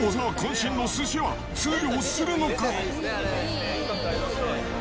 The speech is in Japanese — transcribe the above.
身の寿司は通用するのか？